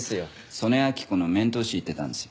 曽根明子の面通し行ってたんですよ。